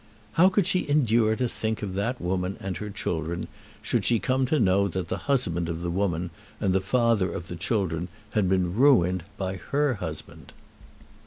How could she endure to think of that woman and her children, should she come to know that the husband of the woman and the father of the children had been ruined by her husband?